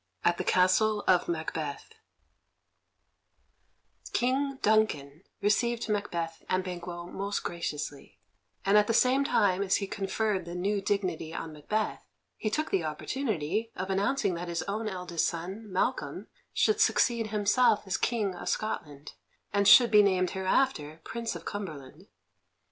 At the Castle of Macbeth King Duncan received Macbeth and Banquo most graciously, and at the same time as he conferred the new dignity on Macbeth he took the opportunity of announcing that his own eldest son, Malcolm, should succeed himself as King of Scotland, and should be named hereafter Prince of Cumberland.